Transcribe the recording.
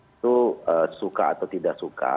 itu suka atau tidak suka